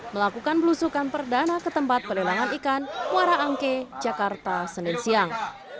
melakukan belusukan perdana ke tempat pelelangan ikan muara angke jakarta senin siang